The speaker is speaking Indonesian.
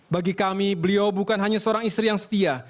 bagi kami beliau bukan hanya seorang istri yang setia